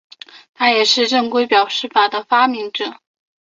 他也是正规表示法的发明者。